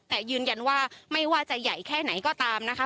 แต่ยืนยันว่าไม่ว่าจะใหญ่แค่ไหนก็ตามนะคะ